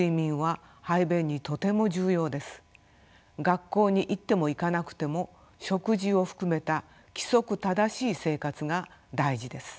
学校に行っても行かなくても食事を含めた規則正しい生活が大事です。